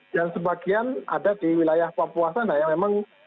dan sebagian ada di wilayah papua sana yang memang